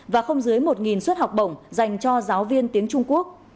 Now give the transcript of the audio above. và không dưới một suất học bổng dành cho giáo viên tiếng trung quốc